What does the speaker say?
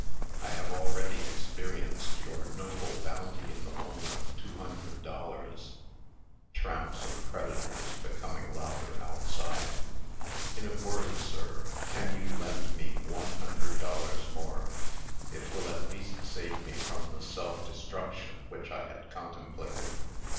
I have already experienced your noble bounty in a loan of two hundred dollars." (Tramps of creditors becoming louder outside.) "In a word, sir, can you lend me one hundred dollars more? It will at least save me from the self destruction which I had contemplated."